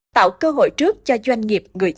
tạo cơ hội trước cho doanh nghiệp người dân